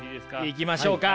いきましょうか。